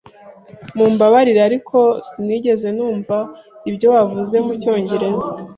Mumbabarire, ariko sinigeze numva ibyo wavuze mucyongereza.